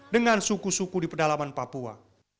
dengan suku suku di pedalaman papua